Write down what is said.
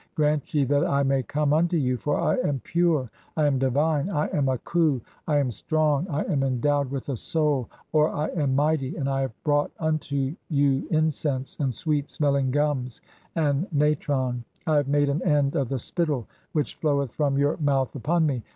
Grant ye that I may come unto you, "for I am pure, (7) I am divine, I am a khu, I am strong, I "am endowed with a soul (or I am mighty), and I have brought "unto you incense, and sweet smelling gums, and natron ; I "have made an end of the spittle which floweth (8) from your "mouth upon me.